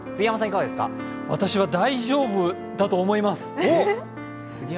私は大丈夫だと思います。